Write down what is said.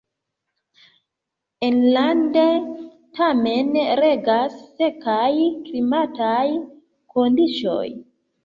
Enlande tamen regas sekaj klimataj kondiĉoj.